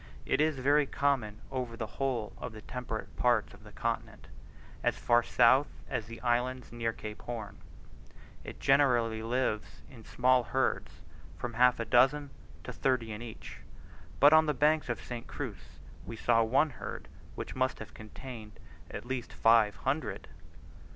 It is very common over the whole of the temperate parts of the continent, as far south as the islands near Cape Horn. It generally lives in small herds of from half a dozen to thirty in each; but on the banks of the St. Cruz we saw one herd which must have contained at least five hundred.